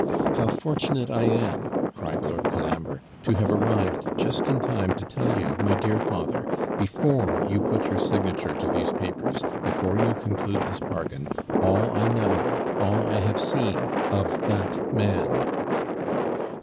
'How fortunate I am,' cried Lord Colambre, 'to have arrived just in time to tell you, my dear father, before you put your signature to these papers, before you conclude this bargain, all I know, all I have seen, of that man!'